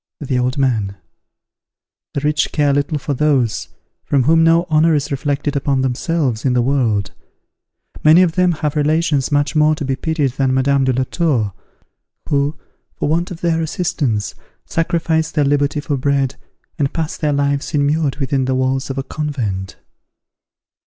The Old Man. The rich care little for those, from whom no honour is reflected upon themselves in the world. Many of them have relations much more to be pitied than Madame de la Tour, who, for want of their assistance, sacrifice their liberty for bread, and pass their lives immured within the walls of a convent.